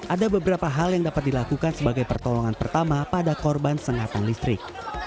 ada beberapa hal yang dapat dilakukan sebagai pertolongan pertama pada korban sengatan listrik